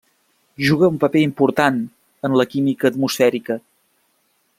Juga un paper important en la química atmosfèrica.